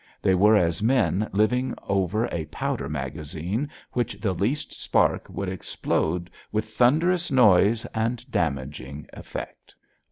They were as men living over a powder magazine which the least spark would explode with thunderous noise and damaging effect.